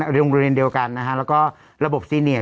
โรงเรียนเดียวกันนะฮะแล้วก็ระบบซีเนีย